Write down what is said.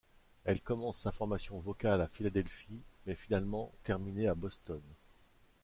Elle commence sa formation vocale à Philadelphie, mais finalement terminée à Boston.